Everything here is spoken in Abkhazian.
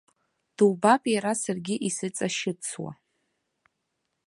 Дубап иара саргьы исыҵашьыцуа.